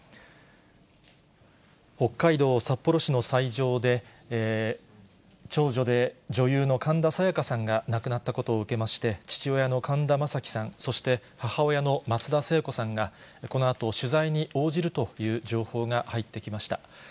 北海道札幌市の斎場で、長女で女優の神田沙也加さんが亡くなったことを受けまして、父親の神田正輝さん、そして母親の松田聖子さんが、このあと取材に応じるという情報が入ってきました。